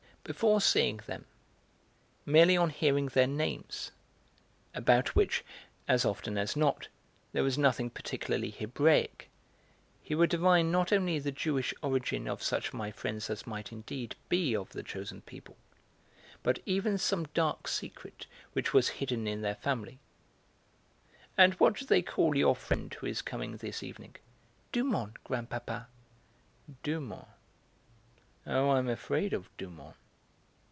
Before seeing them, merely on hearing their names, about which, as often as not, there was nothing particularly Hebraic, he would divine not only the Jewish origin of such of my friends as might indeed be of the chosen people, but even some dark secret which was hidden in their family. "And what do they call your friend who is coming this evening?" "Dumont, grandpapa." "Dumont! Oh, I'm frightened of Dumont."